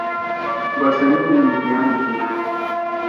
بسنُو امتحان تھی۔